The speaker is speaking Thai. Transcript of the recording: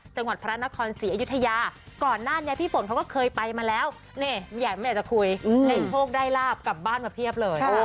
จังหวัดพระนครศรีอยุธยาก่อนหน้านี้พี่ฝนเขาก็เคยไปมาแล้วนี่ไม่อยากจะคุยได้โชคได้ลาบกลับบ้านมาเพียบเลย